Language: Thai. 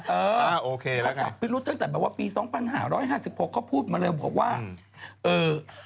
เออพี่รุ้นตั้งแต่ปี๒๕๕๖เขาพูดมาเลยว่าเออ